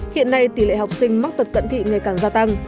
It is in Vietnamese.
hiện nay tỷ lệ học sinh mắc tật cận thị ngày càng gia tăng